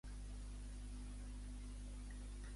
El protagonista la va fer anar a buscar-lo?